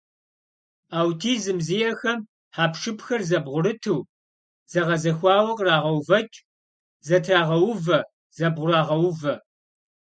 Аутизм зиӀэхэм хьэпшыпхэр зэбгъурыту, зэгъэзэхуауэ кърагъэувэкӀ, зэтрагъэувэ, зэбгъурагъэувэ.